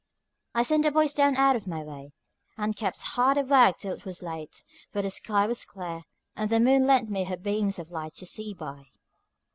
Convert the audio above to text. I sent the boys down out of my way, and kept hard at work till it was late, for the sky was clear, and the moon lent me her beams of light to see by.